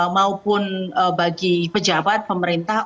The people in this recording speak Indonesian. maupun bagi pejabat pemerintah